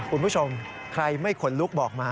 คุณผู้ชมใครไม่ขนลุกบอกมา